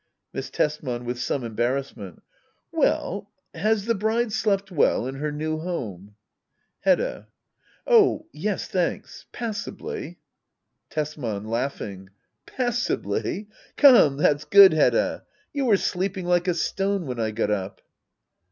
Miss Tesman. [With some embarrassment,] Well — has the bride slept well in her new home ? Hedda. Oh yes, thanks. Passably. Tesman. Passably ! Come, that's good, Hedda ! You were sleeping like a stone when I got up.